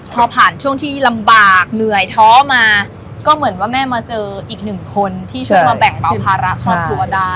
พอผ่านช่วงที่ลำบากเหนื่อยท้อมาก็เหมือนว่าแม่มาเจออีกหนึ่งคนที่ช่วยมาแบ่งเบาภาระครอบครัวได้